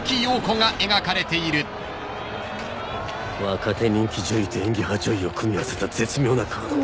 若手人気女優と演技派女優を組み合わせた絶妙なカード。